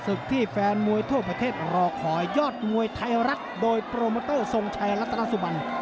ที่แฟนมวยทั่วประเทศรอคอยยอดมวยไทยรัฐโดยโปรโมเตอร์ทรงชัยรัตนสุบัน